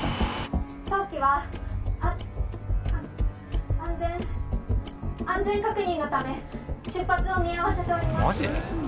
「当機はああ安全安全確認のため出発を見合わせております」マジで？